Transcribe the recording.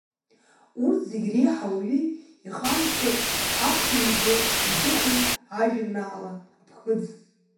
Урҭ зегь реиҳа ауаҩы ихамышҭыртә аԥхьаҩ игәы иҭыхоит ажәеинраала Аԥхыӡ.